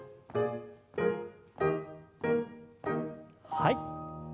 はい。